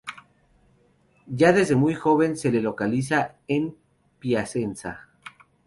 Ya desde muy joven se le localiza en Piacenza.